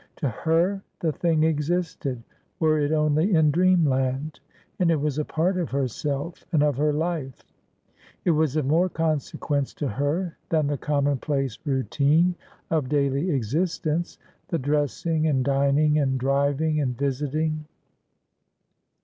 To her the thing existed, were it only in dreamland ; it was a part of herself and of her life ; it was of more cousequence to her than the commonplace rou tint^ of daily existeiice — the dressing, and dming, and driving, and visiting.